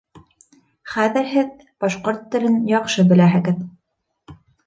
Хәҙер һеҙ башҡорт телен яҡшы беләһегеҙ.